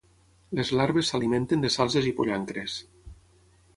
Les larves s'alimenten de salzes i pollancres.